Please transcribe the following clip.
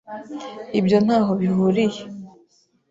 Ibyo ntaho bihuriye.